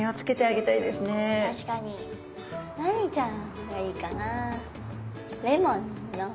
何ちゃんがいいかな。